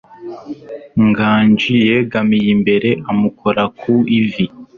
Nganji yegamiye imbere amukora ku ivi.